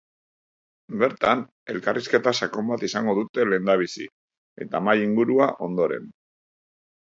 Bertan, elkarrizketa sakon bat izango dute lehendabizi, eta mahai-ingurua, ondoren.